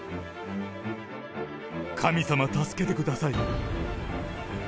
神様、助けてください。